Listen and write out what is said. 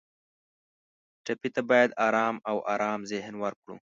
ټپي ته باید آرام او ارام ذهن ورکړو.